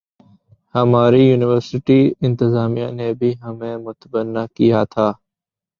ہماری یونیورسٹی انتظامیہ نے بھی ہمیں متبنہ کیا تھا